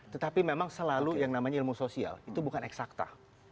tetapi memang selalu yang namanya ilmu sosial itu bukan eksakta